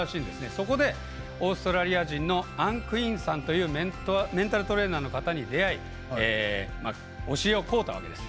そこでオーストラリアのアン・クインさんというメンタルトレーナーの方に出会い教えをこうたわけです。